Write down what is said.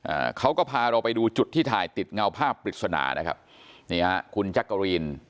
อ่าเขาก็พาเราไปดูจุดที่ถ่ายติดเงาภาพปริศนานะครับนี่ฮะคุณจักรีน